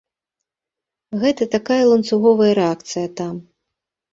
Гэта такая ланцуговая рэакцыя там.